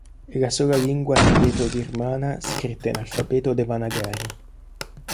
È la sola lingua tibeto-birmana scritta in alfabeto Devanagari.